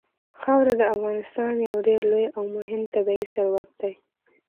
خاوره د افغانستان یو ډېر لوی او مهم طبعي ثروت دی.